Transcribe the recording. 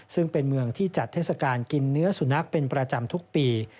ซึ่งเป็นเมืองที่จัดเทศกาลกินเนื้อสุนัขเป็นประจำทุกปี